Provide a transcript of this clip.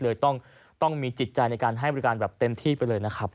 เลยต้องมีจิตใจในการให้บริการแบบเต็มที่ไปเลยนะครับ